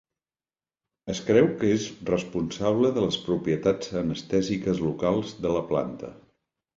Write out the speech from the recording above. Es creu que és responsable de les propietats anestèsiques locals de la planta.